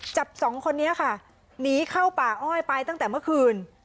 จับสองคนนี้ค่ะหนีเข้าป่าอ้อยไปตั้งแต่เมื่อคืน